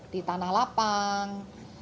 di tanah lapang